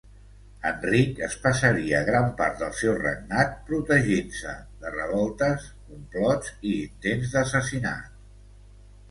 Enric es passaria gran part del seu regnat protegint-se de revoltes, complots i intents d'assassinat.